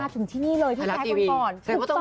มาถึงที่นี่เลยที่แคคุณก่อน